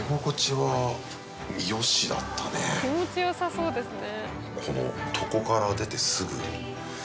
気持ちよさそうですね。